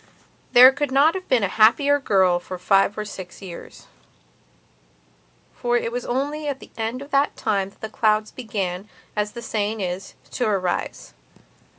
There could not have been a happier girl for five or six years. For it was only at the end of that time that clouds began, as the saying is, to arise.